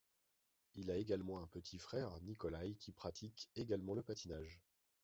Il a également un petit frère, Nikolai qui pratique également le patinage.